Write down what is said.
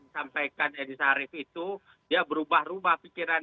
sampaikan edis arief itu dia berubah rubah pikiran